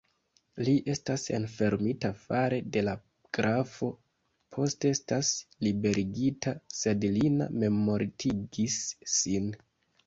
Li estas enfermita fare de la grafo, poste estas liberigita, sed Lina memmortigis sin.